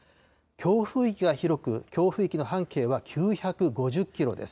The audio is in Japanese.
強風域が広く、強風域の半径は９５０キロです。